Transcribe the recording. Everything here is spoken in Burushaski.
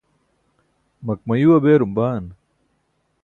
makmayuu beerum baan?